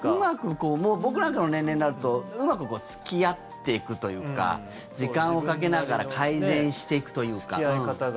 こう僕なんかの年齢になるとうまく付き合っていくというか時間をかけながら付き合い方が。